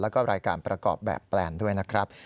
แล้วก็รายการประกอบแบบแปลนด้วยนะครับ